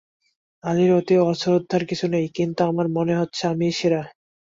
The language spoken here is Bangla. আলীর প্রতি অশ্রদ্ধার কিছু নেই, কিন্তু আমার মনে হচ্ছে আমিই সেরা।